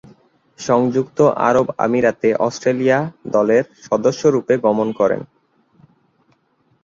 সংযুক্ত আরব আমিরাতে অস্ট্রেলিয়া দলের সদস্যরূপে গমন করেন।